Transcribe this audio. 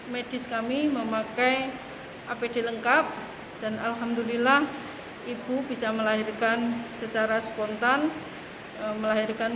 medis kami memakai apd lengkap dan alhamdulillah ibu bisa melahirkan secara spontan melahirkan